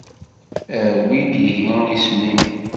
Awi-d ihi isem-im.